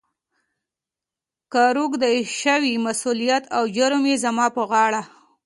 « کهٔ روږدی شوې، مسولیت او جرم یې زما پهٔ غاړه. »